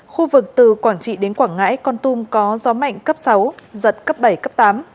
khu vực từ quảng trị đến quảng ngãi con tum có gió mạnh cấp sáu giật cấp bảy cấp tám